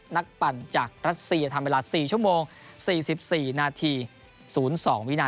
นักปั่นจากรัฐศีร์ทำเวลา๔ชั่วโมง๔๔๐๒นาทีครับ